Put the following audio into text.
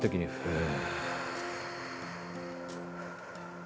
うん。